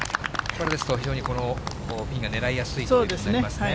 これですと、非常にピンが狙いやすいという形になりますね。